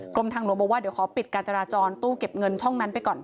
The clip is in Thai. กรมทางหลวงบอกว่าเดี๋ยวขอปิดการจราจรตู้เก็บเงินช่องนั้นไปก่อน